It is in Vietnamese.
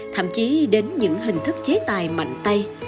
thậm chí đến những hình thức chế tài mạnh tay